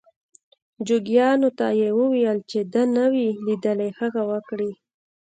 جوګیانو ته یې وویل چې ده نه وي لیدلي هغه وکړي.